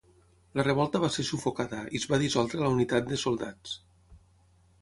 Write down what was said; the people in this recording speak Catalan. La revolta va ser sufocada i es va dissoldre la unitat de soldats.